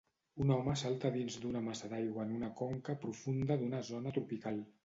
Un home salta dins d'una massa d'aigua en una conca profunda d'una zona tropical.